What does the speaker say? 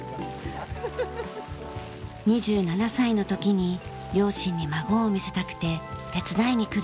２７歳の時に両親に孫を見せたくて手伝いに来るようになりました。